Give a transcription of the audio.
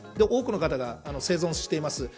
多くの方が生存しています。